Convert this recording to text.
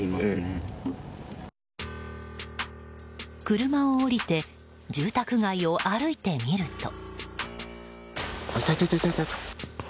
車を降りて住宅街を歩いてみると。